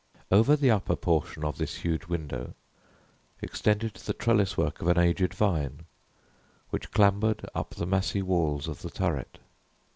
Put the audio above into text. Over the upper portion of this huge window extended the trellis work of an aged vine, which clambered up the massy walls of the turret.